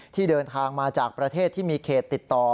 เดินทางมาจากประเทศที่มีเขตติดต่อ